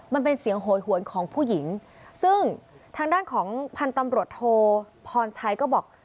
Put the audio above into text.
มันเป็นเสียงโหยหวนของผู้หญิงซึ่งทางด้านของพันธุ์ตำรวจโทพรชัยก็บอก